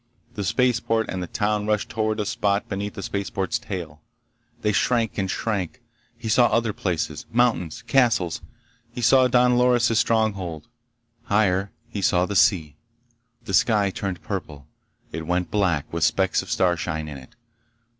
The spaceport and the town rushed toward a spot beneath the spaceboat's tail. They shrank and shrank. He saw other places. Mountains. Castles. He saw Don Loris' stronghold. Higher, he saw the sea. The sky turned purple. It went black with specks of starshine in it.